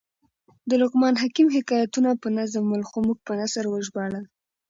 د لقمان حکم حکایتونه په نظم ول؛ خو موږ په نثر وژباړل.